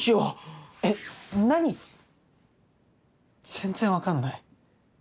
全然分かんない。